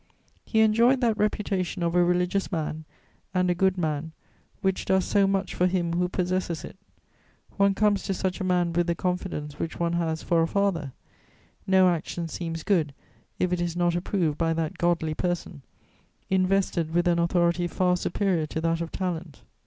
He enjoyed that reputation of a religious man and a good man which does so much for him who possesses it; one comes to such a man with the confidence which one has for a father; no action seems good if it is not approved by that godly person, invested with an authority far superior to that of talent.